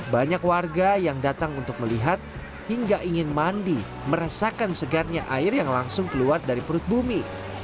banyak warga yang datang untuk melihat hingga ingin mandi merasakan segarnya air yang langsung keluar dari perut bumi